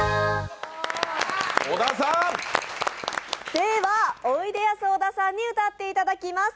ではおいでやす小田さんに歌っていただきます。